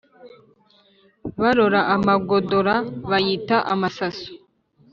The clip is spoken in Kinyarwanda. Barora amagodora, bayita amasaso :